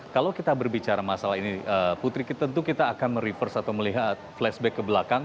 kalau kita berbicara masalah ini putri tentu kita akan mereverse atau melihat flashback ke belakang